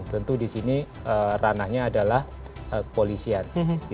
tentu di sini ranahnya adalah kepolisian